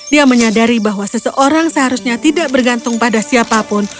dia menyadari bahwa seseorang seharusnya tidak bergantung pada siapapun